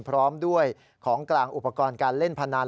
พร้อมด้วยของกลางอุปกรณ์การเล่นพนัน